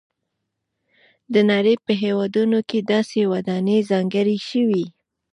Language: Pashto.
د نړۍ په هېوادونو کې داسې ودانۍ ځانګړې شوي.